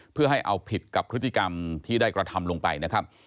เพื่อให้เอาผิดกับพฤติกรรมที่ได้กระทำลงไปนะครับ